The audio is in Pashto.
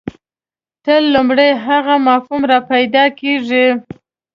تل لومړی هغه مفهوم راپیدا کېږي.